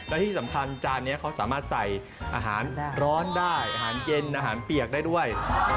และที่สำคัญจานนี้เขาสามารถใส่อาหารร้อนได้อาหารเย็นอาหารเปียกได้ด้วย